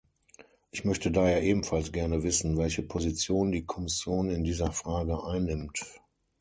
Ich möchte daher ebenfalls gerne wissen, welche Position die Kommission in dieser Frage einnimmt.